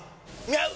合う！！